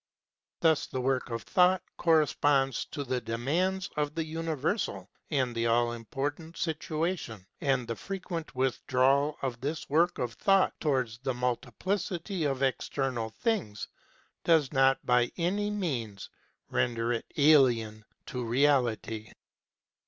Thus the work of Thought corresponds to the demands of a universal and all important situation, and the frequent withdrawal of this work of Thought towards the multi plicity of external things does not by any means render it alien to Reality.